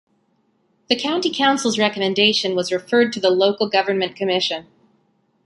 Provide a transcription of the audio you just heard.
The County Council's recommendation was referred to the Local Government Commission.